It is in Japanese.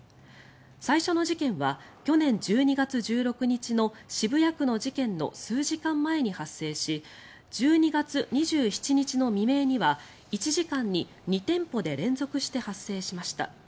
最初の事件は去年１２月１６日の渋谷区の事件の数時間前に発生し１２月２７日の未明には１時間に２店舗で連続して発生しました。